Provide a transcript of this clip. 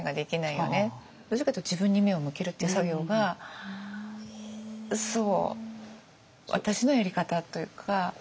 どちらかというと自分に目を向けるっていう作業が私のやり方というか。